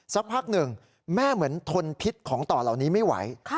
สักพักหนึ่งแม่เหมือนทนพิษของต่อเหล่านี้ไม่ไหว